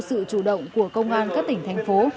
sự chủ động của công an các tỉnh thành phố